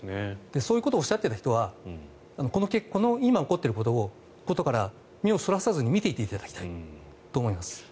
そういうことをおっしゃっていた人たちはこの今起こっていることから目をそらさずに見ていていただきたいと思います。